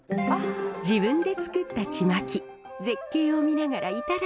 自分でつくったちまき絶景を見ながらいただきます。